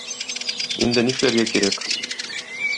Инде ни эшләргә кирәк?